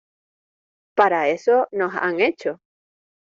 Para eso nos han hecho.